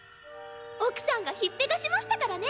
奥さんが引っぺがしましたからね。